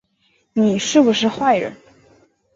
你是不是坏人